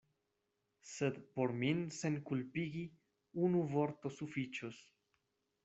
Sed por min senkulpigi unu vorto sufiĉos.